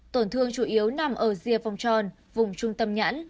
tổn thương chủ yếu nằm ở rìa vòng tròn vùng trung tâm nhãn